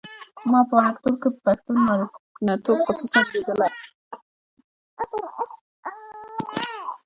ما په وړکتوب کې د پښتون نارینتوب خصوصیات لیدلي.